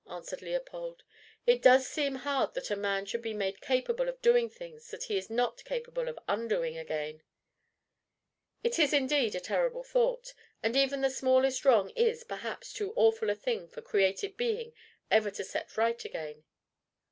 answered Leopold. "It does seem hard that a man should be made capable of doing things that he is not made capable of undoing again." "It is indeed a terrible thought! And even the smallest wrong is, perhaps, too awful a thing for created being ever to set right again."